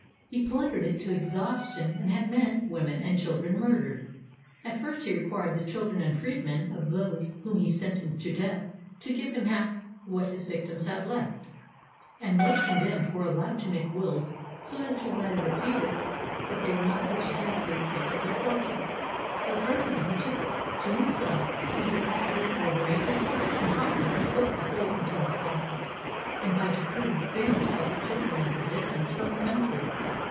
"He plundered it to exhaustion, and had men, women, and children murdered. At first he required the children and freedmen of those whom he sentenced to death to give him half what his victims had left; and those condemned were allowed to make wills so as to let it appear that they were not put to death for the sake of their fortunes. But presently he took to himseK either all or the major part, and finally he swept the whole into his pocket, and by decree banished all the children of his victims from the country.